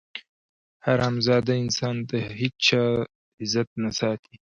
حرامزاده انسان د هېچا عزت نه ساتي.